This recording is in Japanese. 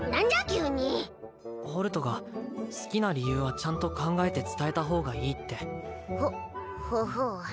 急にホルトが好きな理由はちゃんと考えて伝えた方がいいってほほほう